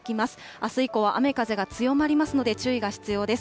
あす以降は雨風が強まりますので注意が必要です。